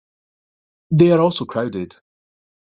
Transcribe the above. They are also crowded.